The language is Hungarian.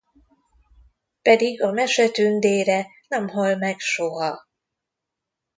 Pedig a mese tündére nem hal meg soha.